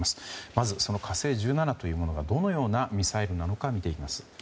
まず「火星１７」というものがどのようなミサイルなのか見ていきます。